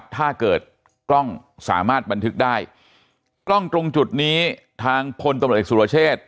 ถ้าเกิดกล้องสามารถบันทึกได้กล้องตรงจุดนี้ทางพลตำรวจเอกสุรเชษ